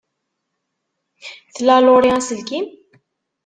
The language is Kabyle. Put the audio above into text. Tla Laurie aselkim?